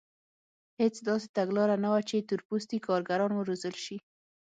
هېڅ داسې تګلاره نه وه چې تور پوستي کارګران وروزل شي.